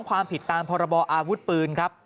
ความผิดตามพรบออาวุธปืนครับ